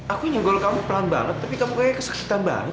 aku nyegol kamu pelan banget tapi kamu kayaknya kesakitan banget